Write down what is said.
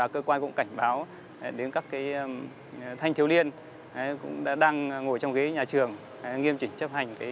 cơ quan cũng cảnh báo đến các thanh thiếu liên đang ngồi trong ghế nhà trường nghiêm chỉnh chấp hành pháp luật